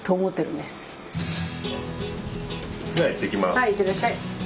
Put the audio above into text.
はいいってらっしゃい。